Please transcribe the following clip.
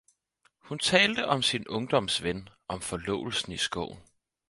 Hun talte om sin ungdoms ven, om forlovelsen i skoven